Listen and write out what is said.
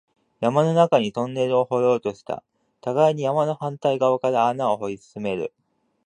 山の中にトンネルを掘ろうとした、互いに山の反対側から穴を掘り進める